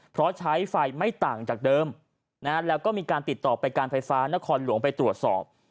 เพราะใช้ไฟไม่ต่างจากเดิมแล้วก็มีการติดต่อไปการไฟฟ้านครหลวงไปตรวจสอบ